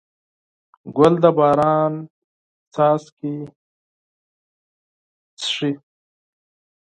ګل د باران قطرې څښي.